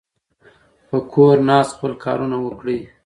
په کور ناست خپل کارونه وکړئ.